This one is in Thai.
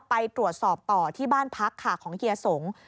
ไปตรวจสอบต่อที่บ้านพักค่ะของเฮียสง